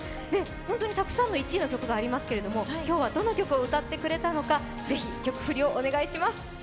本当にたくさんの１位の曲がありますが、今日はどの曲を歌うのかぜひ曲振りをお願いします。